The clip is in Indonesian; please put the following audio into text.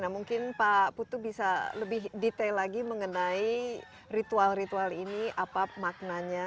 nah mungkin pak putu bisa lebih detail lagi mengenai ritual ritual ini apa maknanya